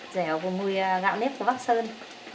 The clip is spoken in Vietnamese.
dẻo của mùi gạo nếp của bắp sơn